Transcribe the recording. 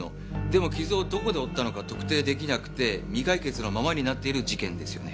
でも傷をどこで負ったのか特定できなくて未解決のままになっている事件ですよね。